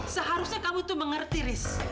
seharusnya kamu itu mengerti riz